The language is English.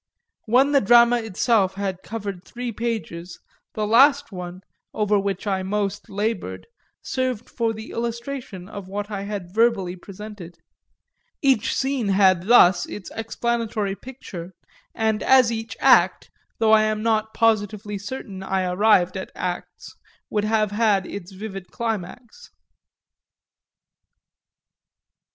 When the drama itself had covered three pages the last one, over which I most laboured, served for the illustration of what I had verbally presented. Every scene had thus its explanatory picture, and as each act though I am not positively certain I arrived at acts would have had its vivid climax.